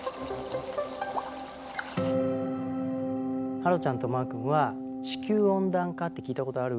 はろちゃんとまーくんは「地球温暖化」って聞いたことある？